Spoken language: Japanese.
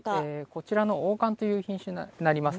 こちらの黄冠という品種になります。